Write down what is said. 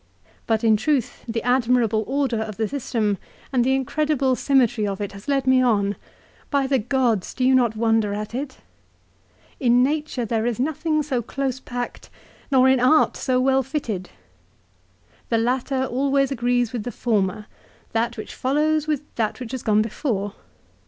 But in truth the admir able order of the system and the incredible symmetry of it has led me on. By the gods, do you not wonder at it ! In nature there is nothing so close packed, nor in art so well fitted. The latter always agrees with the former ; that which follows with that which has gone before.